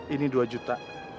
ini dua juta